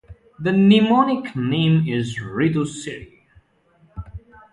The mnemonic name is "Ritu-Sri".